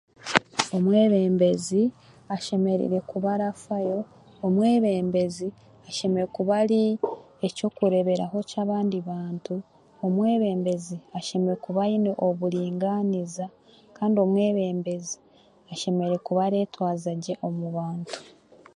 Omwebembezi ashemereire kuba arafayo omwebembezi ashemereire kuba ari eky'okureeberaho ky'abandi bantu omwebembezi ashemereire kuba aine oburaingaaniza kandi omwebembezi ashemereire kuba areetwaza gye omu bantu